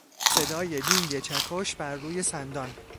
صدای دینگ چکش بر روی سندان